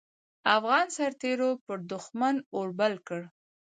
افغان سررتېرو پر دوښمن اور بل کړ.